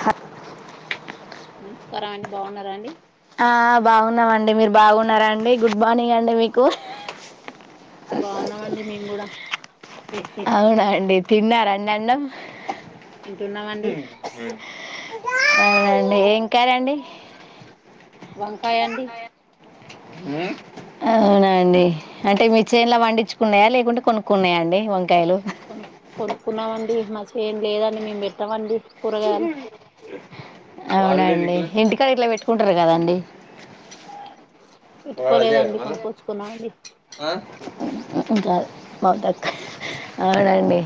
హ నమస్కారం అండి బాగున్నారా అండి ఆ బాగున్నామండి మీరు బాగున్నారా అండి గుడ్ మార్నింగ్ అండి మీకు బాగున్నామండి మేము కూడా అవునాండి అ తిన్నారా అండీ అన్నం తింటున్నామండి అవునండి ఏం కర్రీ అండి వంకాయ అండి అవునాండి అంటే మీ చేన్లా పండించుకున్నాయా లేకుంటే కొనుక్కున్నాయా అండి వంకాయలు కొ కొనుక్కున్నామండి మస ఏం లేదని మేము పెట్టామండి కూరగాయలు అవునా అం ఇంటికా ఇట్లా పెట్టుకుంటారు కదాండి పెట్టుకోలేదండి కొనుక్కొచుకున్నామండి ఇకా మౌట అవునా అండీ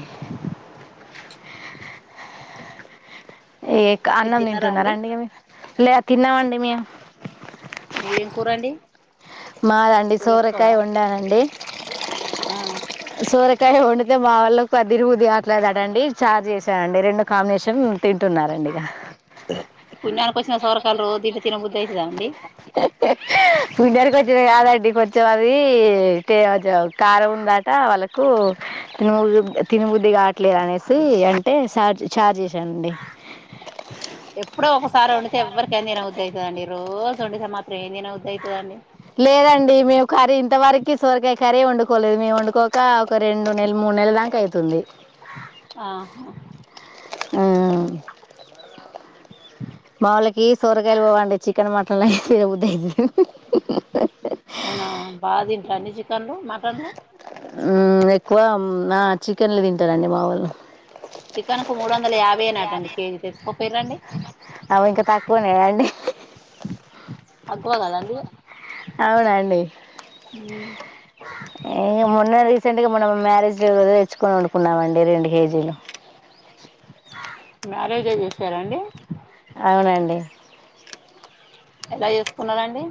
ఏ మీరు అన్నం తిన్నారా తింటున్నారా అండి ఇ లే తిన్నామండి మేము మీరేం కూరండి మాద అండి సోరకాయ కూరేసుకోవా వండానండి ఆ సోరకాయ వండతే మా వాళ్లు పదినిమిది అట్లాదు అటడి చార్జ చేస్త అండి రెండు కాంబినేషన్ తింటున్నారండి ఇక పుణ్యానికి వచ్చిన సవరకాాల ర దింట తినబుద్ధ అవుతుందా అండి కాదడి కొర్చం అది ఇే కారం ఉందా వాళ్ళకు తి తినుముద్ది కావట్లేదునేసి అంటే చార్జ్ చార్జ్ చే ఎప్పుడో ఒకసారి వండితే ఎవరికైనా నేను ఉద్దస్తానండి ఈ రోజు డ మాత్రం ఏన్నా ఉదవుయిదండి లేదండి మేము కర్రీ ఇంత వరకు సొరకాయ కర్రీ వండుకోలేదు మేముం అడుకోక ఒక రెండు నెల మూడు నెల దాకా అవుతుంది ఆా ఆ మాములకి సొరగాయలు పోవండి చికెన్ మటన్లు అయిద్ద అవునా బా ఇ ఫ డు మాట్లాడు మ్ ఎక్కువ నా చికెన్లు తింటారండి మా వాళ్ళు చికెన్ కు మూడు వందల యాభై అనాటండి కేజీ తెస్త అవు ఇంకా తక్కువనే అండి తక్కువ కదాండి అవునా అండి మ్ మొన్న రీసెంట్ గా మనం మ్యారేజ్ తెచ్చుకని వండుకున్నామండి రెండు కేజీలు మ్యారేజే చేసాసరాండి అవునండి ఎలా చేసుకున్నారండి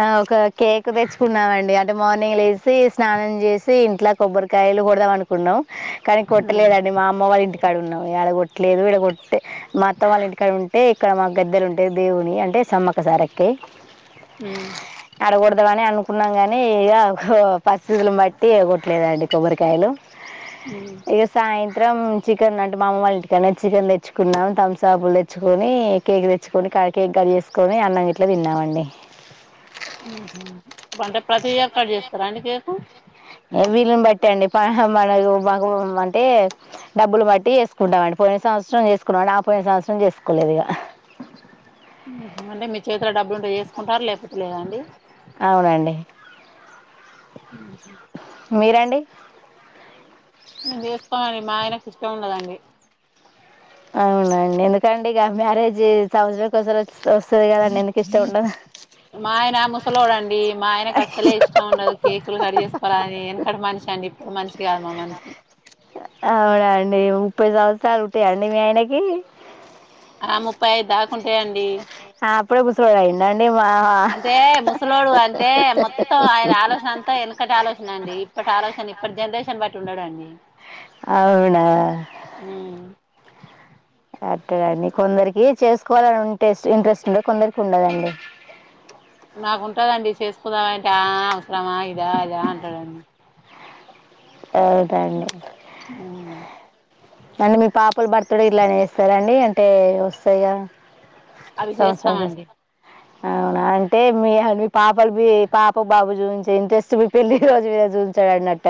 ఆ ఒక కేక్ తెచ్చుకున్నామ అండి ఇడ్ మార్నింగ్ లేసి స్నానం చేసి ఇంట్లో కొబ్బరికాయలు కొడదాం అనుకున్నాం కానీ ఉమ్ కొట్టలేదండి మా అమ్మ వాళ్ళ ఇంటి కాడ ఉన్నాము ఎడ కొట్ లేదు ఇడ కొట్ మా అత్త వాళ్ళ ఇంటికాడ ఉంటే క్క మా గద్దెలు ఉంటయి దేవునియి అంటే సమ్మక సారక్కయి ఉమ్ ఆడగొడదనే అను కున్నాం గాని ఇగ హు పరిస్థితులను బట్ తీయ్య గొట్లేదండి కొబ్బరికాయలు ఉమ్ ఇగ సాయంత్రం చికెన్ అ మా అమ్మ వాళ్ళ ఇంటికాన్నే చికెన్ తెచ్చుకున్నాం తంసాపులు తెచ్చుకొని కేక్ తెచ్చుకొని కేక్ కట్ చేసుకొని అన్నం ఇట్లా తిన్నామండి ఊహూ అంటే ప్రతి ఇయర్ కట్ చేస్తారా అండి కేక్ ఏ వీలును బట్టి అండి [unintelligible] మనకు మాకు అంటే డబ్బులు బట్టి చేసుకుంటామండి పోయిన సంవత్సరం చేసుకున్నామండి ఆ పోయిన సంవత్సరం చేసుకోలేదిగ అంటే మీరు చే తుల డబ్బులుంటే చేసుకుంటారు లేకపోతే లేదా అండి అవునండి హ ఆ మీరండి మేం చేస్తామండి మా ఆయనకు ఇష్టం ఉండదండి అవున అండి ఎందుకంటే ఇగ మ్యారేజ్ సంవత్సరం ఓసారి మా ఆయన ముసలోడండి మా ఆయనకు అస్సలే ఇష్టం ఉండదు కేకులు కట్ చేసుకోవడం అది ఎనకడ మనిషండి ఈ మనిషిగాదు మా మనిషి అవునండి ముప్పై సంవత్సరాలు ఉంటాయండి మీ ఆయనకి ఆ ముప్పై ఐదు దాకా ఉంటాయి అండి అప్పుడే ముసలోడు అయిండండి మా అంటే ముసలోడు అంటే మొత్తం ఆయన ఆలోచన అంతా ఎనకటి ఆలోచన అండి ఇప్పటి ఆలోచన ఇప్పటి జనరేషన్ బట్టి ఉండాడ అండి అవునా అట్టగాదండి కొందరికి చేసుకోవాలని ఉంటే ఇంట్రెస్ట్ ఉంటే కొందరికి ఉండదండి నాకుంటదండి చేసుకుందామంటే ఆ అవసరమా ఇదా అదా అంటడండి అవుద అండి [unintelligible] మళ్ళీ మీ పాపలు బర్త్ డే ఇలానే చేస్తారండి ఎయి వస్తయిగా అవి చేస్తామండి అవునా అంటే మీ మీ పాపలు మీ పాప బాబు చూయించే ఇంట్రెస్ట్ మీ పెళ్లి రోజు మీద చూయించడన్నట్టు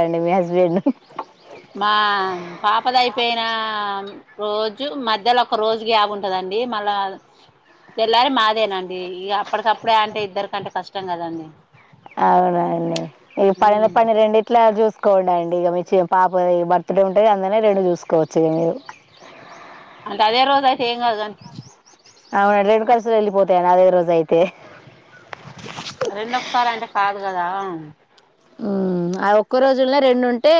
మా పాప దైపోయి ఆ రోజు మధ్యలో ఒక రోజు గ్యాప్ ఉంటదండి మళ్ళా తెల్లారి మాదేనండి ఇగ అప్పటికప్పుడే అంటే ఇద్దరికంటే కష్టం గదండి అవునండి ఈ పనిలో పని రెండిట్లా చూసు కోండండి ఇగ మీ పాపది బర్త్ డే ఉంటే అందునే రెండు చూసుకోవచ్చు ఇక మీరు అంటే అదే రోజు అయితే ఏం కాదండి అవునండి రెండు ఖర్చులు యెళ్ళి పోతాయి అదే రోజు అయితే రెండు ఒకసారి అంటే కాదు గదా రా ఉ ఆ ఒక్క రోజునే రెండుంటే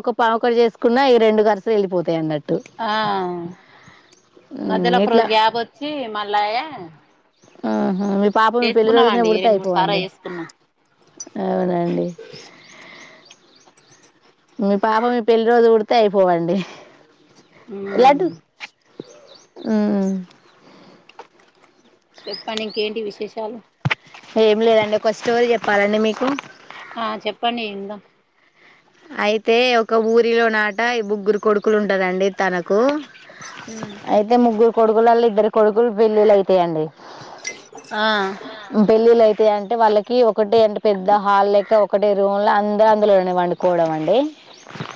ఒక పావకొడు చేసుకున్న ఈ రెండు కార్స్ లు వెళ్ళిపోతాయి అన్నట్టు ఆ హ్మ్. మధ్యలో ఒక ఇట్లా రోజు గ్యాప్ వచ్చి మళ్ళాయ ఆ మీ పాప మీ పెళ్లి రోజునే చేసుకున్నామండి పుడితే రెండు మూడు సార్లు అయిపోవండి చేసుకున్నాం అవునండి మీ పాప మీ పెళ్లి రోజు పడు అయిపోవండి ము ఉ ఊ చెప్పండి ఇంకేంటి విశేషాలు ఏం లేదండి ఒక స్టోరీ చెప్పాలండి మీకు ఆ చెప్పండి ఇందాం అయితే ఒక ఊరిలో నట ముగ్గురు కొడుకులు ఉంటదండి తనకు అయితే ముగ్గురు కొడుకుల ఇద్దరు కొడుకులు పెళ్ళిళ్ళయితయండి ఆ పెళ్ళిళయిత అంటే వాళ్ళకి ఒకటి అంటే పెద్ద హాల్ లెక్క ఒకటే రూంలా అందర్ అందులోనే పండు కోడం అండి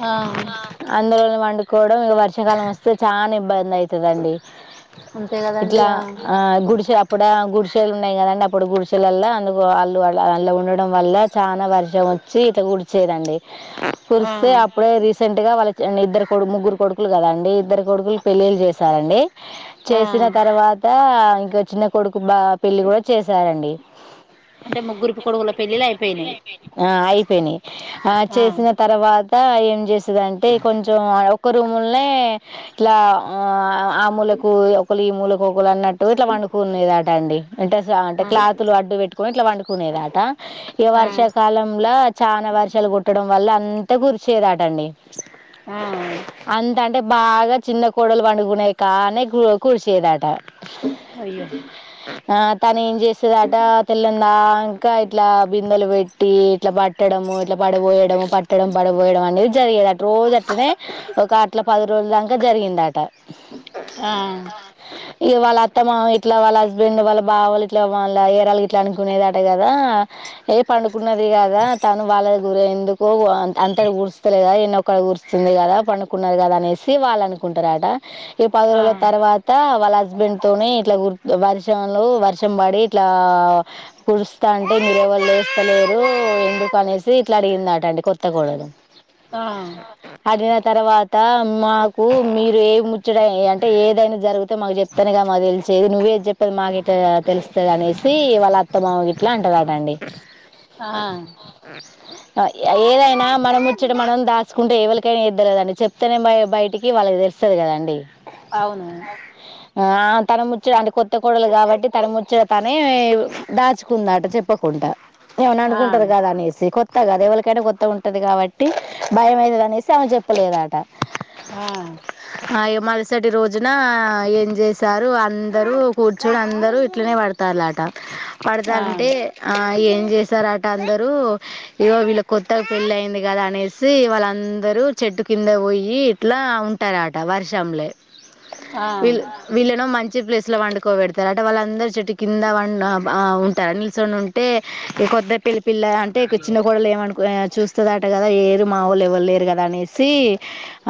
ఆ అందులోనే పండుకోవడం ఇగ వర్షాకాలం వస్తే చాలా ఇబ్బందయితదండి. అంతే కదండి ఇట్లా ఆ గుడిసె అప్పుడే గుడిసెలు ఉన్నాయి కదండి అప్పుడు గుడి [inaudible] అందుకు అల్లు అల ఉండడం వల్ల చాల వర్షం వచ్చి ఇత కుడిచేదండి ఆ కురిస్తే అప్పుడే రీసెంట్గా వాళ్ళ ఇద్దరు కొడు ముగ్గురు కొడుకులు కదండి ఇద్దరు కొడుకులు పెళ్ళిళ్ళు చేసారండి. ఆ చేసిన తర్వాత ఇగ చిన్న కొడుకు బా పెళ్ళి కూడా చేసారండి అంటే ముగ్గురు కొడుకుల పెళ్ళిళ్ళు అయిపోయినాయి ఆ అయిపోయినయి. ఆ చేసిన తర్వా ఆ ఏం చేస్ అంటే కొంచెం ఒక రూముల్నే ఇలా ఆ మూలకు ఈ మూల కోకల్ అన్నట్ ఇట్లా పండుకునేదట అండిం అంటే ఆ క్లాతులు అడ్డు పెట్టుకని ఇట్లా పండు కొనేదటా ఈ ఆ వర్షకాలంలా చాలా వర్షాలు కొ ట్టడం వల్ల అంత కురిసేదటండి ఆ అంటే బాగా చిన్న కోడలు పండుకున్నాయి కాడ్నే కురిసేదట అయ్యో ఆ తని చేసేదట తెల్లందాంకా ఇట్ల బిందెలు పెట్టి ఇట్ల పట్టడము ఇట్ల ప పడబయడం పట్టడం పడబోయడం అనేది జరిగేది అ రోజు అట్నే ఒక అట్ల పది రోజుల దాక జరిగిందట. ఆ ఇగ వాళ్ళ అత్తమామ ఇట్ల వాళ్ళ హస్ నుండు వాళ్ళ బావలు ఇట్లా వాల ఏరాాల ఇట్లా అనుకునేదట కదా ఏ పండుగ ఉన్నది గాక పని కాలేదు మూర ఎందుకో అంత కూర్స్తలే కదా ఎన్నొక్క కూరుస్తుంది కదా పండుకున్నారు కదా అనేసి వాళ్ళు అనుకుంటారు ఆట ఈ పది ఆ రోజుల తర్వాత వాళ్ళ హస్బెండ్ తోనే ఇట్లా వర్షంలు వర్షం పడి ఇట్లా కురుస్తాంటే మీర ఎవరు లేస్తలేరు ఎందుకు అనే త్రీ ఇట్లా అడిగిందటండి కొత్తకూడలు ఆ అడి తర్వాత మాకు మీరు ఏ ముచ్చడ అంటే ఏదైనా జరిగితే మాకు చెపైను కదా మా తెలిసేది నువ్వేది చెప్పది మా గెట్లా తెలుస్తుంది అనేసి వాళ్ళ అత్త మామ గ ఇట్లా అంటుారటండి ఆ ఏదైనా మనం ముచ్చట మనం దాచుకుంటే ఎవలికైనా ఇద్దలేదండి చెప్తేనే బయటికి వాళ్ళకి తెలుస్తది కదండి అవును ఆయ్ తన ముచ్చడు అంట కొత్త కోడలు కాబట్టి తన ముచ్చట తనే దాచుకుందట చెప్పకుంట ఏమన ఆ అనుకుంటది కదా అనేసి ఇది కొత్తగాదే ఎవలికైనా కొత్త ఉంటది కాబట్టి భయంమయిది అనేసి ఆమె చెప్పలేద ఆట ఆ హా ఇగ మరుసటి రోజు నా ఏం చేశారు అందరూ కూర్చొని అందరూ ఇట్లనే పడతారులాట ఆ పడతారంటే ఆ ఏం చేస్తార గ అందరూ ఇగో వీళ్ళ కొత్తగా పెళ్లిి అయింది కదా అనేసి వాళ్ళందరూ చెట్టు కింద పోయి ఇట్లా ఉంటారట వర్షంలే ఆ వీళ్ళు వీళ్ళన మంచి ఇచ్చే ప్లేస్లో వండుకోబెడతారు అట వాళ్ళందరూ చెటు కింద వం ఉంటారు నిల్చొని ఉంటే కొత్త పిలి పిల్లె అంటే ఇక చిన్న కోడలు ఏమను కె చూస్త వచ్చదట కదా ఏరు మా వాళ్లు ఎవ్వరులేరు కదా అనేసి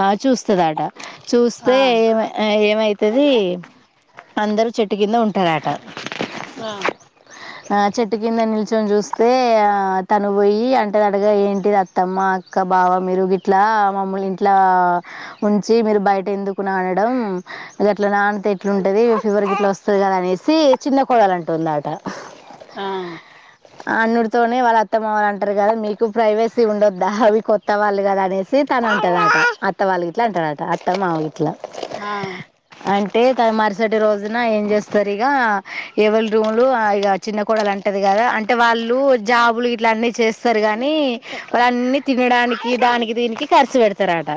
ఆ చూస్తదట చూస్తే ఆ ఏ ఏమైతుంది అందరు చెట్టు కింద ఉంటారట చెట్టు కింద ని కొంచం చూస్తే ఆ తను పోయి అంటది అంటగా ఏంటి అత్తమ్మ అక్క బావ మీరు గిట్లా మమ్మని ఇంట్లా ఉంచి మీరు బయట ఎందుకు నానడం అట్లా నాన్యత ఎట్లుంటుంది ఫీవర్ గట్లా వస్తుంది కదా అనేసి చిన్న కొడాలంటుందట ఆ ఆ అల్లుడి తోనే వాళ్ళ అత్తా మామలు అంటారు కదా మీకు ప్రైవసీ ఉండొద్దా అవి కొత్త వాళ్ళు కదా అనేసి తన ఉంటదాక అత్త వాళ్ళు గిట్లా అంటారట అత్త మామ గిట్లా ఆ అ అంటే త మరుసటి రోజున ఏం చేస్తారు ఇ గా ఎవరి రూమ్లు ఆ ఇ గ చిన్నకోూడలు అంటె ఉంటది కదా అంటే వాళ్ళు జాబులు ఇట్ల అన్నీ చేస్తారు గానీ వాళ్ళన్నిీ తినడానికి దానికి దీనికి ఖర్చు పెడతారట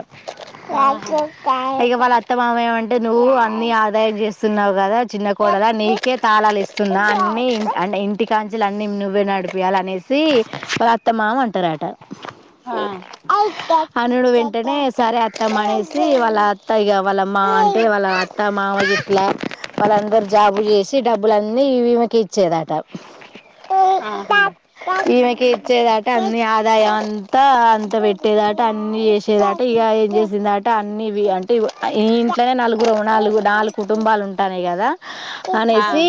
ఆహా చ క వాళ్ళ అత్తమామ ఏమంటే నువ్వు అన్ని ఆదాయం చేస్తున్నావు కదా చిన్నకోడలా నీకే తాళాలు ఇస్తున్నా అన్ని అంటే ఇంటి కాంచలు అన్నిీ నువ్వే నడిపియాలి అనే వ వాళ్ళ అత్తమామ అంటారట ఆ అనుడు వెంటనే సరే అత్తమ్మనేసి వాళ్ళ అత్త ఇక వాళ్ళమ్ మా అంటే వాళ్ళ అత్త మామ చెట్లా వాళ్ళందరూ జాబు చేసి డబ్బులు అన్నీ విమెకి ఇచ్చేదట ఆహా ఈమెకి ఇచ్చేదాట అ ఆదాయం అంతా అంత పెట్టేదట అన్ని చేసేదట ఇక ఏం చేసేంద అట అవి అంటే ఇంట్నే నలుగురు నాలుగు నాలుగు కుటుంబాలు ఉంటయి అంటానే కదా ఆ అనేసి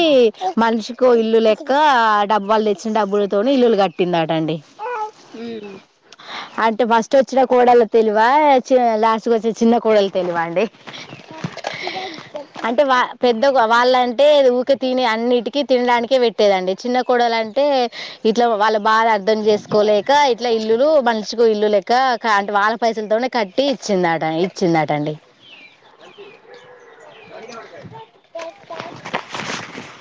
మనిషికి ఇల్లు లెక్క డబ్బుళ్ళ తెచ్చిన డబలు తోని ఇల్లులు కట్టిందాట అండి మ్మ్ అంటే ఫస్ట్ వచ్చిన కోడలు తెలివ చిన లాస్ట్కి వచ్చిన చిన్న కోడలు తెలివ అండి అంటే వా పెద్ద వాళ్ళంటే ఊక తిని అన్నిటికిీ తినడానికే పెట్టేదండి చిన్న కోడలు అంటే ఇట్లా వాళ్ళ బాధ అర్ధం చేసుకోలేక ఇట్లా ఇల్లులు మణచుకో ఇల్లు లేక అంటే వాళ్ళ పైసలతోనే కట్టి ఇచ్చిందట ఇచ్చిందాటండి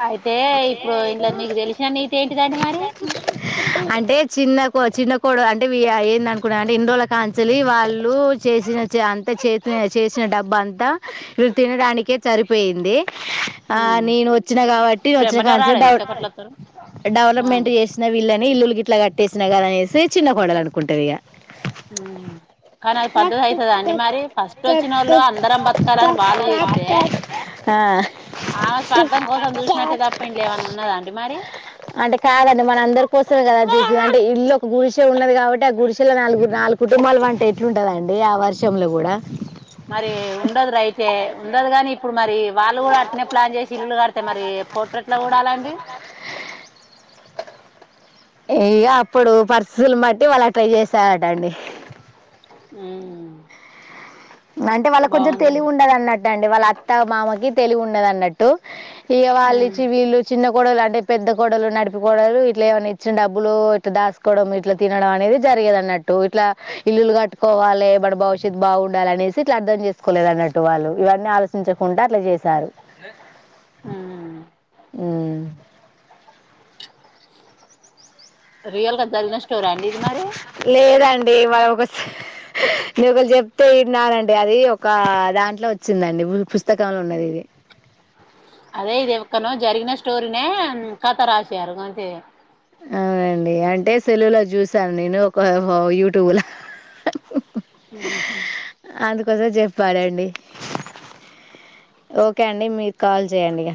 అయితే ఇప్పుడు ఇంట్లో మీకు తెలిసిన నీతే ఏంటి [unintelligible] మరి అంటే చిన్నకో చిన్నకోడల్ అంటే ఏంద అనుకున్నా అంటే ఎన్ని రోజకంచాలి వాళ్ళు చేసిన అంత చేసిన చేసిన డబ్బు అంతా మీరు తినడానికే సరిపోయింది ఆ మరి నేను వచ్ చ్చిన కాబట్టి ఇప్పుడు వచ్చిన కా ఎమ్మటే రాడు డౌట్ ఎంతసేపట్ల వత్తడు రాడు డెవలప్మెంట్ చేసిన వీళ్ళని ఇల్లులు గిట్ల కట్టేసినా కదా అనేసి చిన్న కొడలు అనుకుంటది ఇగ కానీ అది పద్ధతి అయితద అండి మరి ఫస్ట్ వచ్చిన వాళ్ళు అందరం బతకాలని వాళ్ళు చెత్తే ఆ ఆమె స్వార్థం కోసం చూసినట్టే తప్ప ఇం లో ఏమన్న ఉన్నద అండి మరి అంటే కాదండి మన అందరి కోసమే కదా [unintelligible] అంటే ఇల్లు ఒక గురిసె ఉన్నది కాబట్టి ఆ గురిసెలో నాలుగు నాలుగు కుటుంబాలు వంట ఎట్లుంటదండి ఆ వర్షంలో కూడా మరి ఉండదు రైటె ఉండదు గాని ఇప్పుడు మరి వాళ్ళు కూడా అట్నే ప్లాన్ చేసి ఇల్లులు కడితే మరి పోట్రెట్ల కూడాలండి ఏ అప్పుడు పరిస్థితులను బట్టి వాళ్లు అట్లా చేశారటండి మ్మ్ అంటే వాళ్లకు కొంచెం తెలివి ఉండదు అన్నట్ దండి వాళ్ళ అత్త మామకి తెలివి ఉండదు అన్నట్టు ఇగ ఉమ్ వాళ్ళుచ్చి వీళ్ళు చిన్న కోడలు అంటే పెద్ద కోడలు నడిపుకోడలు ఇట్లా ఏమనా ఇచ్చిన డబ్బులు ఇట్లా దాసుకోవడం ఇట్లా తినడం అనేది జరిగేది అన్నట్టు ఇట్లా ఇల్లులు కట్టుకోవాలి వాడి భవిష్యత్తు బాగుండాలి అనేసి ఇట్లా అర్ధం చేసుకోలేదు అన్నట్టు వాళ్లు ఇవన్నీ ఆలోచించకుండా అట్లా చేసారు ఉమ్ ఉమ్ రియల్గా జరిగిన స్టోరా అండి ఇది మరి వేవనాస్ ఒక నే ఒకలు చెప్తే విన్నానండి అది ఒక దాంట్లో వచ్చిందండి పుస్తకంలో ఉన్నది ఇది అదే ఇది ఎక్కనో జరిగిన స్టోరి నే కథ రాసి జరుగంతే అవునండి అంటే సెల్ లో జూసాను నేను ఒక వో యూట్యూబ్ ల మ్మ్ హ్మ్ అందుకోసం చెప్పానండి ఓకే అండి మీరు కాల్ జేయండి ఇగ